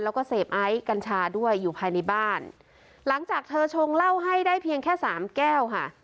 แล้วก็เสพไอซ์กัญชาด้วยอยู่ภายในบ้านหลังจากเธอชงเหล้าให้ได้เพียงแค่สามแก้วค่ะ